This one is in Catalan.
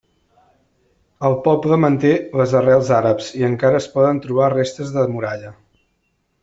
El poble manté les arrels àrabs i encara es poden trobar restes de muralla.